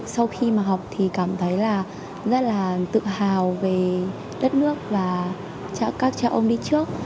sau khi mà học thì cảm thấy là rất là tự hào về đất nước và các cha ông đi trước